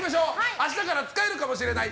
明日から使えるかもしれない！？